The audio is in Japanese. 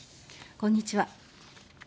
こんにちは。